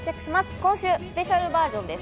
今週はスペシャルバージョンです。